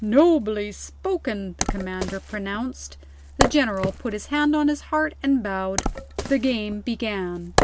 "Nobly spoken!" the Commander pronounced. The General put his hand on his heart and bowed. The game began.